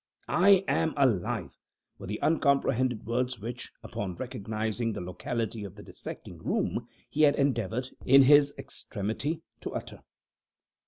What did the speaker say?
"I am alive," were the uncomprehended words which, upon recognizing the locality of the dissecting room, he had endeavored, in his extremity, to utter.